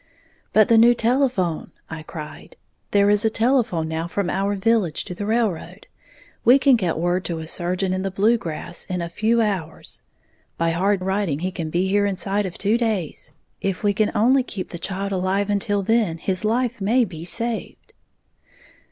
"But the new telephone!" I cried. "There is a telephone now from our village to the railroad, we can get word to a surgeon in the Blue Grass in a few hours; by hard riding he can be here inside of two days. If we can only keep the child alive until then, his life may be saved!"